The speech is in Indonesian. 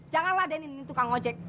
janganlah denn ini tukang ojek